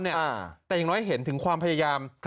แต่อย่างน้อยเห็นถึงความพยายาม